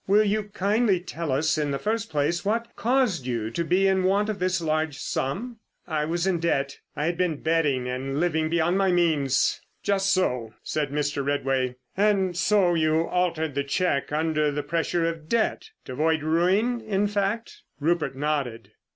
Will you kindly tell us in the first place what caused you to be in want of this large sum?" "I was in debt. I had been betting, and living beyond my means." "Just so," said Mr. Redway; "and so you altered the cheque under the pressure of debt—to avoid ruin, in fact?" Rupert nodded.